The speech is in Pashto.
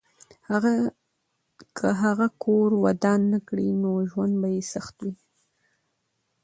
که هغه کور ودان نه کړي، نو ژوند به یې سخت وي.